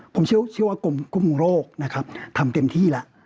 ผมเชียวว่ากลุ่มโรคนะครับทำเต็มที่แล้ว